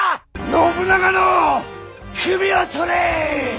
信長の首を取れ！